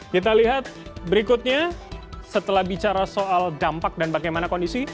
kita lihat berikutnya setelah bicara soal dampak dan bagaimana kondisi